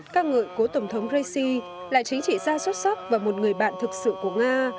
ca ngợi của tổng thống raisi là chính trị gia xuất sắc và một người bạn thực sự của nga